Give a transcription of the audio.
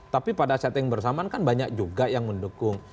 tapi pada setting bersamaan kan banyak juga yang mendukung